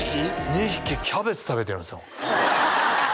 ２匹キャベツ食べてるんですよ